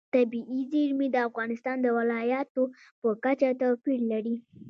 طبیعي زیرمې د افغانستان د ولایاتو په کچه توپیر لري.